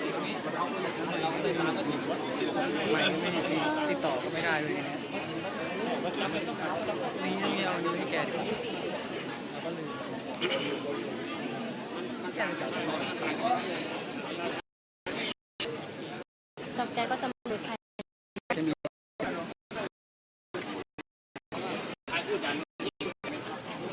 ที่ที่ฉันดูเป็นทุกที่สามนะคะ